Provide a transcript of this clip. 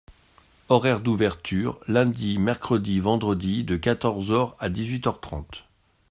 Horaires d’ouverture : lundi, mercredi, vendredi de quatorze heures à dix-huit heures trente.